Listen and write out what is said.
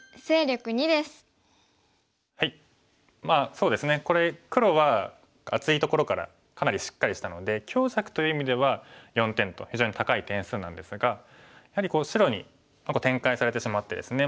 そうですねこれ黒は厚いところからかなりしっかりしたので強弱という意味では４点と非常に高い点数なんですがやはり白に展開されてしまってですね